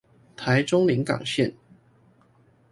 臺中臨港線